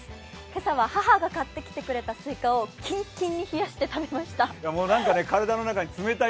今朝は母が買ってきてくれたスイカをキンキンに冷やして食べました。